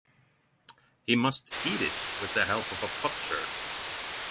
He must eat it with the help of a potsherd.